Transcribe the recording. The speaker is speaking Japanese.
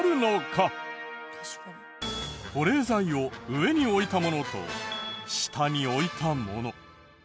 保冷剤を上に置いたものと下に置いたもの。